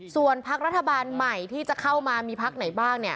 ส่วนพักรัฐบาลใหม่ที่จะเข้ามามีพักไหนบ้างเนี่ย